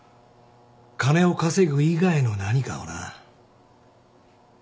金を稼ぐ以外の何かをな。